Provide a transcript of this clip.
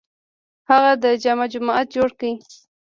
هغه د جامع جومات جوړ کړ.